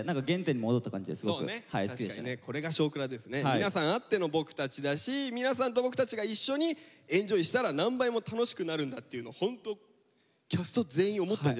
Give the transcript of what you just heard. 皆さんあっての僕たちだし皆さんと僕たちが一緒にエンジョイしたら何倍も楽しくなるんだっていうのホントキャスト全員思ったんじゃないですか。